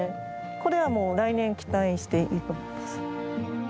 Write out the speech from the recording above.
これはもう来年期待していいと思います。